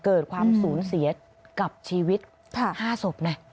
เกิดความศูนย์เสียกับชีวิต๕ศพ